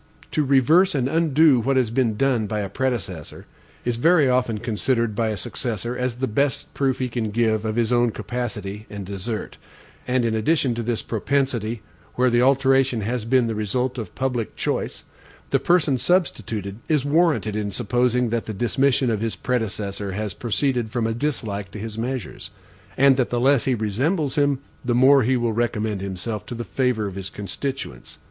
To reverse and undo what has been done by a predecessor, is very often considered by a successor as the best proof he can give of his own capacity and desert; and in addition to this propensity, where the alteration has been the result of public choice, the person substituted is warranted in supposing that the dismission of his predecessor has proceeded from a dislike to his measures; and that the less he resembles him, the more he will recommend himself to the favor of his constituents.